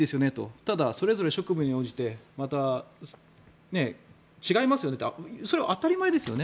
ただ、それぞれ職務応じて違いますよねってそれは当たり前ですよね。